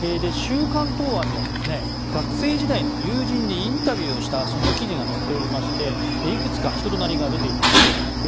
「週刊東亜」には学生時代の友人にインタビューをしたその記事が載っておりましていくつか人となりが出ています。